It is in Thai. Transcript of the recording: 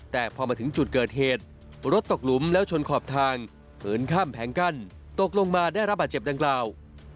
แต่พอมาถึงจุดเกิดเหตุรถตกหลุมแล้วชนขอบทางเดินข้ามแผงกั้นตกลงมาได้รับบาดเจ็บดังกล่าว